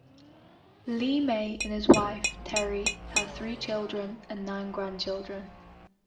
Lee May and his wife, Terrye, have three children and nine grandchildren.